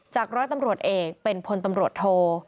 ร้อยตำรวจเอกเป็นพลตำรวจโท